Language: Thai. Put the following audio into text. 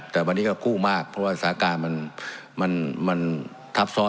แต่วันนี้ก็กู้มากเพราะว่าสถานการณ์มันทับซ้อน